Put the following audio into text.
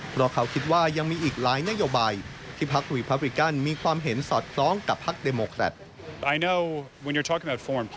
เพราะเขาคิดว่ายังมีอีกหลายนโยบายที่พักรีพับริกันมีความเห็นสอดคล้องกับพักเดโมแครต